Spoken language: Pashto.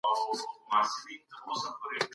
هنري ژبه داستان لا ښکلی کوي.